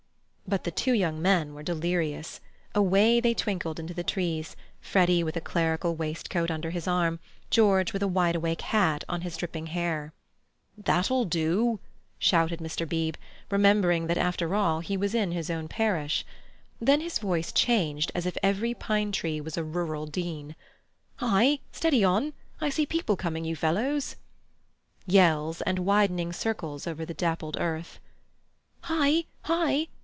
But the two young men were delirious. Away they twinkled into the trees, Freddy with a clerical waistcoat under his arm, George with a wide awake hat on his dripping hair. "That'll do!" shouted Mr. Beebe, remembering that after all he was in his own parish. Then his voice changed as if every pine tree was a Rural Dean. "Hi! Steady on! I see people coming you fellows!" Yells, and widening circles over the dappled earth. "Hi! hi!